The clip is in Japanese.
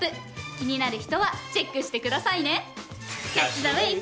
気になる人はチェックしてくださいね！